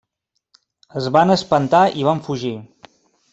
Es van espantar i van fugir.